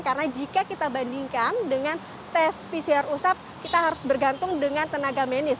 karena jika kita bandingkan dengan tes pcr usap kita harus bergantung dengan tenaga medis